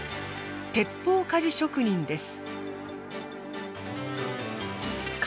鉄砲鍛冶職人です。